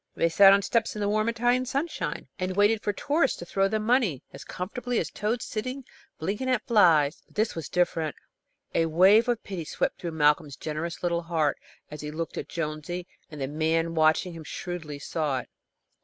They sat on the steps in the warm Italian sunshine, and waited for tourists to throw them money, as comfortably as toads sit blinking at flies. But this was different. A wave of pity swept through Malcolm's generous little heart as he looked at Jonesy, and the man watching him shrewdly saw it.